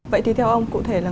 vậy thì theo ông cụ thể là